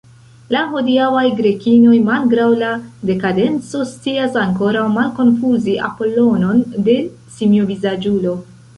La hodiaŭaj Grekinoj, malgraŭ la dekadenco, scias ankoraŭ malkonfuzi Apollon'on de simiovizaĝulo.